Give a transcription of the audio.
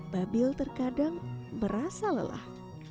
babil terkadang merasa lelah